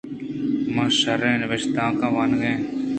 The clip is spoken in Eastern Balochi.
ما شریں نبشتانکاں وانگ ءَ ایں۔